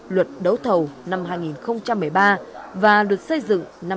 luật đấu thầu năm hai nghìn một mươi ba và luật xây dựng năm hai nghìn một mươi bảy